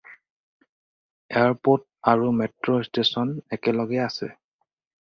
Airport আৰু metro station একেলগে আছে।